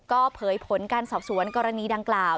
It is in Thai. ก็เผยผลการสอบสวนกรณีดังกล่าว